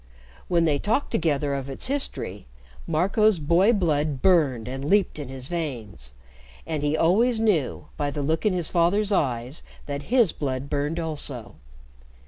When they talked together of its history, Marco's boy blood burned and leaped in his veins, and he always knew, by the look in his father's eyes, that his blood burned also.